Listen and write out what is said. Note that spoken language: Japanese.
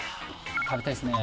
食べたいですね